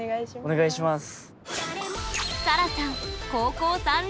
お願いします。